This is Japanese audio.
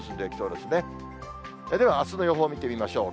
では、あすの予報見てみましょう。